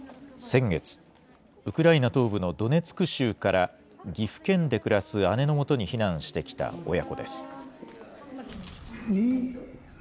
先月、ウクライナ東部のドネツク州から、岐阜県で暮らす姉のもとに避難してきた親子です。